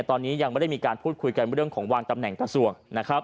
ตอนนี้ยังไม่ได้มีการพูดคุยกันเรื่องของวางตำแหน่งกระทรวงนะครับ